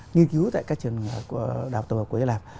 nghiên cứu tại các trường đạo tổ của hy lạp